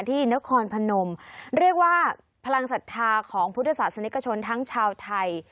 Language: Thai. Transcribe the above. ที่นครพนมเรียกว่าพลังศรัทธาของพุทธศาสนิกชนทั้งชาวไทย